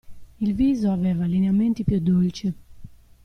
Il viso aveva lineamenti più dolci.